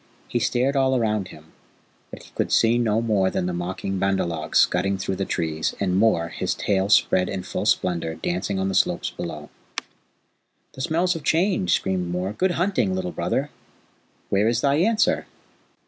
He stared all round him, but he could see no more than the mocking Bandar log scudding through the trees, and Mor, his tail spread in full splendour, dancing on the slopes below. "The smells have changed," screamed Mor. "Good hunting, Little Brother! Where is thy answer?"